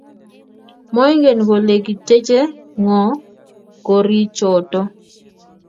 Moingen kole kiteche ngo gorichoto